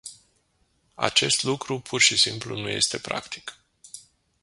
Acest lucru pur și simplu nu este practic.